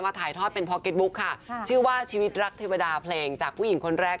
มาถ่ายทอดเป็นค่ะชื่อว่าชีวิตรักธรรมดาเพลงจากผู้หญิงคนแรก